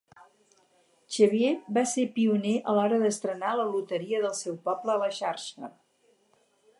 Xavier, va ser pioner a l'hora d'estrenar la Loteria del seu poble a la Xarxa.